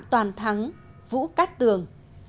toàn thắng vũ cát tường